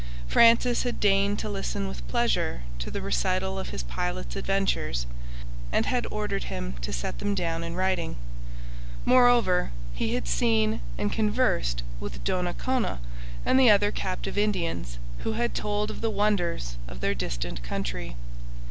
Francis had deigned to listen with pleasure to the recital of his pilot's adventures, and had ordered him to set them down in writing. Moreover, he had seen and conversed with Donnacona and the other captive Indians, who had told of the wonders of their distant country.